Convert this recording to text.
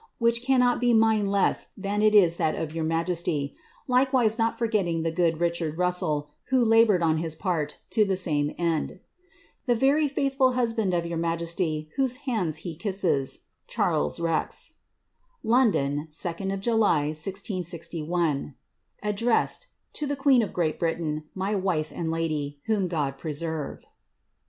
which cannot be mine less than it is that of your m^sty ; likewise noc forgetting the good Richard Russell,* who laboured on his part, to the suns end. " The very faithful husband of your migesty, whose hands he kisses, " CBABLsa Rn.'' *' London, 2nd of July, lOGl." [Adilre^t^ed — '^To the queen of Great Britain, my wifo and laily, whom God preserve